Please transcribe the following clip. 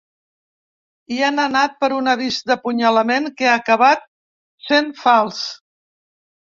Hi han anat per un avís d’apunyalament que ha acabat sent fals.